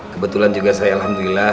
kebetulan juga saya alhamdulillah